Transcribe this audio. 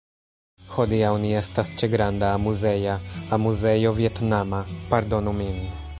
Hodiaŭ ni estas ĉe granda amuzeja... amuzejo vietnama... pardonu min